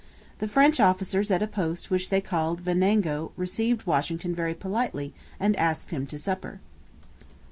The French officers at a post which they called Venango received Washington very politely and asked him to supper.